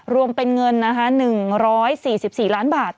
รวมเป็นเงินนะคะ๑๔๔ล้านบาท